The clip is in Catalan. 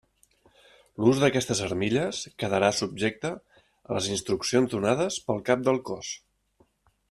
L'ús d'aquestes armilles quedarà subjecte a les instruccions donades pel Cap del Cos.